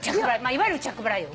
いわゆる着払いよ。